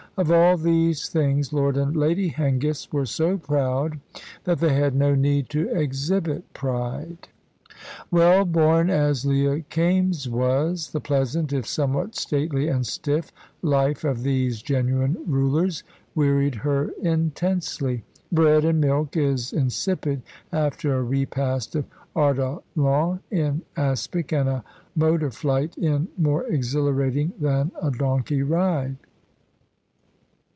Of all these things Lord and Lady Hengist were so proud that they had no need to exhibit pride. Well born as Leah Kaimes was, the pleasant, if somewhat stately and stiff, life of these genuine rulers wearied her intensely. Bread and milk is insipid after a repast of ortolans in aspic, and a motor flight is more exhilarating than a donkey ride.